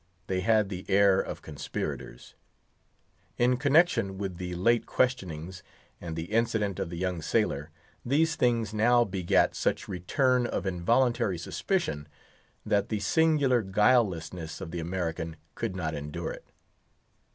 They had the air of conspirators. In connection with the late questionings, and the incident of the young sailor, these things now begat such return of involuntary suspicion, that the singular guilelessness of the American could not endure it.